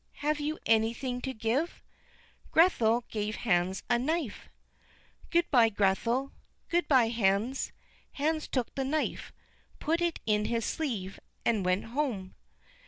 Have you anything to give?" Grethel gave Hans a knife. "Good by, Grethel." "Good by, Hans." Hans took the knife, put it in his sleeve, and went home.